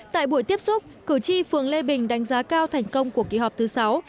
tại buổi tiếp xúc cử tri phường lê bình đánh giá cao thành công của kỳ họp thứ sáu